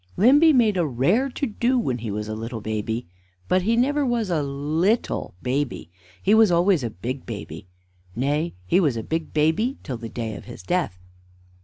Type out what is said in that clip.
Limby made a rare to do when he was a little baby. But he never was a little baby he was always a big baby; nay, he was a big baby till the day of his death.